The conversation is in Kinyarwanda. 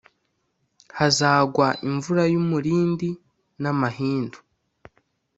hazagwa imvura y umurindi n amahindu